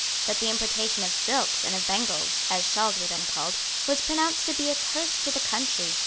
But the importation of silks and of Bengals, as shawls were then called, was pronounced to be a curse to the country.